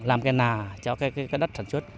làm cái nà cho cái đất sản xuất